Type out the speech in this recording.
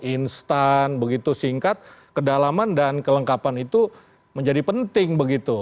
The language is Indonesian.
instan begitu singkat kedalaman dan kelengkapan itu menjadi penting begitu